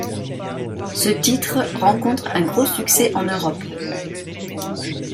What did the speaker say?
Ce titre rencontre un gros succès en Europe.